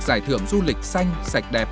giải thưởng du lịch xanh sạch đẹp